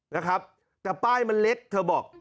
นะครับแต่ป้ายมันเล็กเธอบอก